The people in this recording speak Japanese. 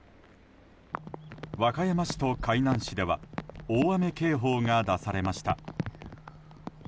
和歌山市と海南市では大雨警報が出されました。